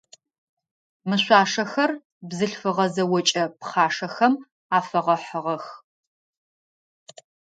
Мы шъуашэхэр бзылъфыгъэ зэокӏо пхъашэхэм афэгъэхьыгъэх.